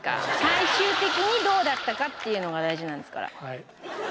最終的にどうだったかっていうのが大事なんですから。